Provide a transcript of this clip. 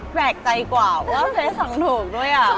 แปลกใจกว่าว่าเฟสสั่งถูกด้วย